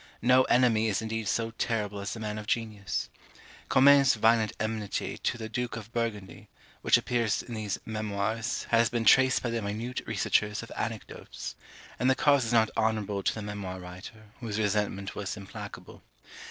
No enemy is indeed so terrible as a man of genius. Comines's violent enmity to the Duke of Burgundy, which appears in these memoirs, has been traced by the minute researchers of anecdotes; and the cause is not honourable to the memoir writer, whose resentment was implacable.